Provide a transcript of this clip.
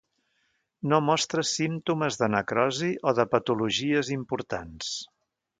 No mostra símptomes de necrosi o de patologies importants.